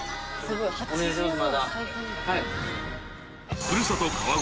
お願いします。